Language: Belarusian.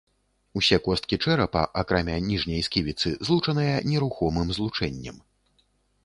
Усе косткі чэрапа, акрамя ніжняй сківіцы, злучаныя нерухомым злучэннем.